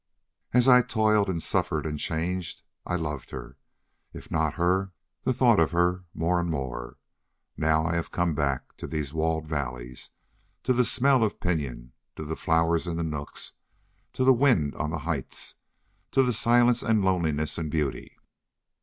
As I toiled and suffered and changed I loved her if not her, the thought of her more and more. Now I have come back to these walled valleys to the smell of pinyon, to the flowers in the nooks, to the wind on the heights, to the silence and loneliness and beauty.